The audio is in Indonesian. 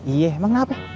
iya emang kenapa